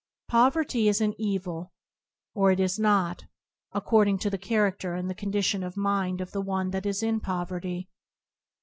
Poverty is an evil or it is not, according to the character and the condition of mind of the one that is in poverty.